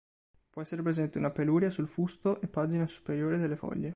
Può essere presente una peluria su fusto e pagina superiore delle foglie.